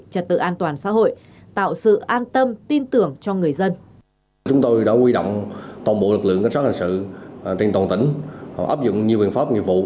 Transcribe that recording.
trật tự an toàn xã hội tạo sự an tâm tin tưởng cho người dân